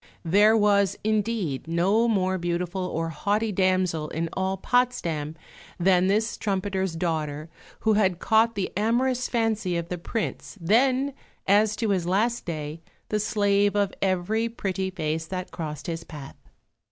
There was, indeed, no more beautiful or haughty damsel in all Potsdam than this trumpeter's daughter who had caught the amorous fancy of the Prince, then, as to his last day, the slave of every pretty face that crossed his path.